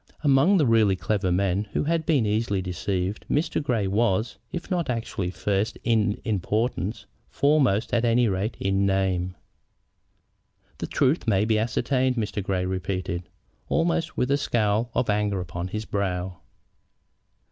Among the really clever men who had been easily deceived Mr. Grey was, if not actually first in importance, foremost, at any rate, in name. "The truth may be ascertained," Mr. Grey repeated, almost with a scowl of anger upon his brow.